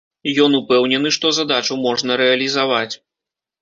Ён упэўнены, што задачу можна рэалізаваць.